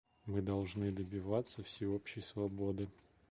Мы должны добиваться всеобщей свободы.